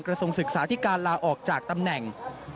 ทรงศึกษาธิการลาออกจากตำแหน่ง